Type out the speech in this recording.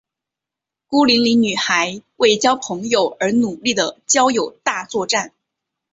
孤零零女孩为交朋友而努力的交友大作战。